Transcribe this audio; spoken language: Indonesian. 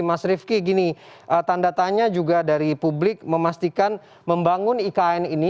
mas rifki gini tanda tanya juga dari publik memastikan membangun ikn ini